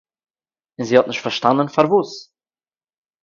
און זי האָט נישט פאַרשטאַנען פאַרוואָס